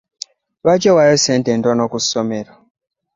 Lwaki owaayo ssente ntono ku ssomero?